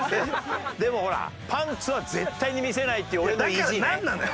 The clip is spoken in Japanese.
でもほらパンツは絶対に見せないっていう俺の意地ね。